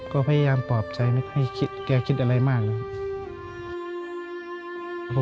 ก็พยายามปลอบใจไม่ต้องให้เขาคิดอะไรมากเลย